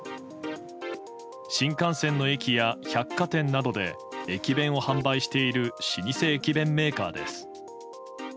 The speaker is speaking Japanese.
新幹線の駅や百貨店などで駅弁を販売している老舗駅弁メーカーです。